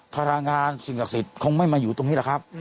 พลังงานสิ่งศักดิ์สิทธิ์คงไม่มาอยู่ตรงนี้แหละครับ